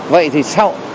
vậy thì sao